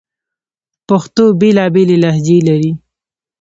پښتو بیلابیلي لهجې لري